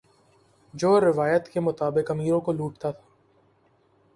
جو روایت کے مطابق امیروں کو لوٹتا تھا